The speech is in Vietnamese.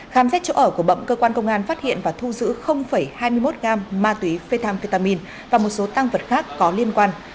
khám xét chỗ ở của bậm cơ quan công an phát hiện và thu giữ hai mươi một gam ma túy methamphetamine và một số tăng vật khác có liên quan